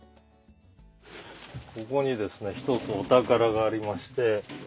ここにですね一つお宝がありまして。